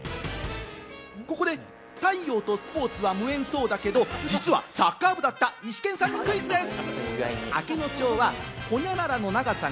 ここで太陽とスポーツは無縁そうだけれども実はサッカー部だったイシケンさんにクイズです。